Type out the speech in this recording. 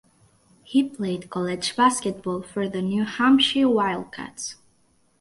He played college basketball for the New Hampshire Wildcats.